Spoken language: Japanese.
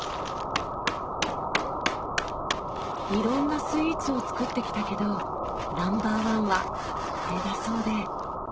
色んなスイーツを作ってきたけどナンバー１はこれだそうで。